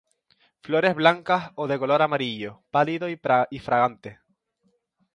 Flores blancas o de color amarillo pálido y fragante.